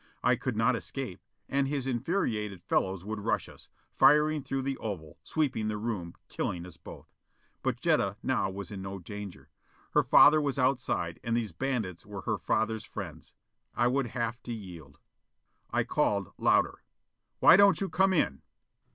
I could not escape, and his infuriated fellows would rush us, firing through the oval, sweeping the room, killing us both. But Jetta now was in no danger. Her father was outside, and these bandits were her father's friends. I would have to yield. I called, louder, "Why don't you come in?"